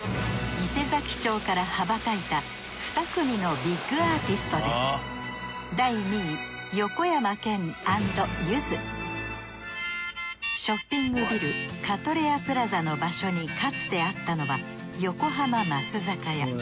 伊勢佐木町から羽ばたいたふた組のビッグアーティストですショッピングビルカトレヤプラザの場所にかつてあったのは横浜松坂屋。